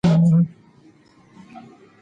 ما خپل کتاب ملګري ته ورکړ.